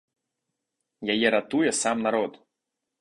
Яе ратуе сам народ.